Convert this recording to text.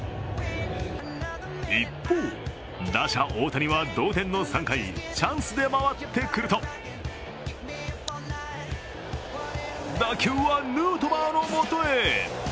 一方、打者・大谷は同点の３回、チャンスで回ってくると打球はヌートバーのもとへ。